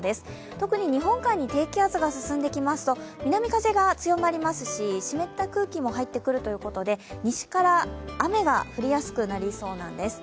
特に日本海に低気圧が進んできますと、南風が強まりますし湿った空気も入ってくるということで、西から雨が降りやすくなりそうなんです。